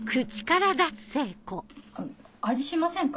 味しませんか？